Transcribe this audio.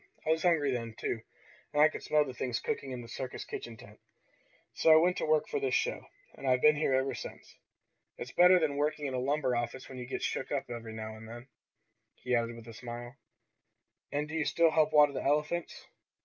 I was hungry then, too, and I could smell the things cooking in the circus kitchen tent. So I went to work for this show, and I've been here ever since. It's better than working in a lumber office when you get shook up every now and then," he added with a smile. "And do you still help water the elephants?"